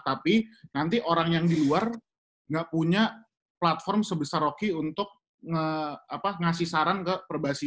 tapi nanti orang yang di luar nggak punya platform sebesar rocky untuk ngasih saran ke perbasi